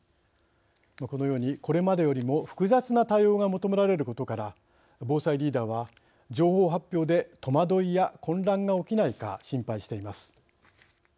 このようにこれまでよりも複雑な対応が求められることから防災リーダーは情報発表で戸惑いや混乱が起きないか心配しています。